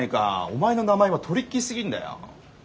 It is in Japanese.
お前の名前はトリッキーすぎんだよ。